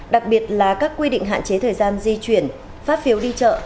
đặc biệt là các quy định hạn chế thời gian di chuyển phát phiếu đi chợ